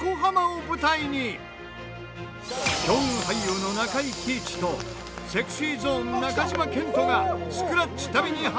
強運俳優の中井貴一とＳｅｘｙＺｏｎｅ中島健人が。